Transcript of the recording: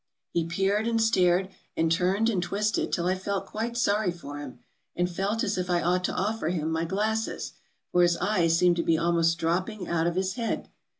He peered and stared, and turned and twisted till I felt quite sorry for him, and felt as if I ought to offer him my glasses, for his eyes seemed to be almost dropping out of his head.